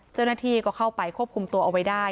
เจ้าหน้าที่ก็เข้าไปควบคุมตัวเอาไว้ได้